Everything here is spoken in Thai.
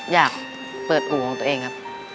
อยากเปิดอู่ของตัวเองครับ